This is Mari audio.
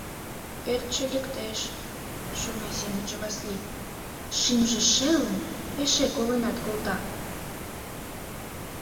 Ӧртшӧ лектеш, — шона семынже Васлий, — Шӱмжӧ шелын, эше коленат колта».